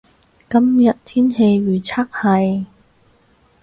今日天氣預測係